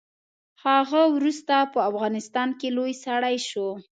هغه وروسته په افغانستان کې لوی سړی شو.